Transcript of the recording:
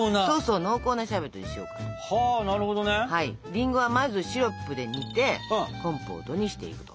りんごはまずシロップで煮てコンポートにしていくと。